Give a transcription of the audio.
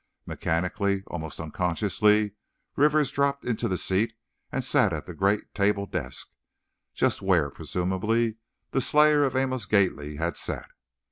Mechanically, almost unconsciously, Rivers dropped into the seat and sat at the great table desk, just where, presumably, the slayer of Amos Gately had sat.